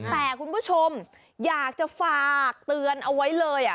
แต่คุณผู้ชมอยากจะฝากเตือนเอาไว้เลย